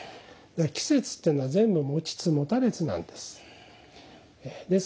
季節ってのは全部持ちつ持たれつなんです。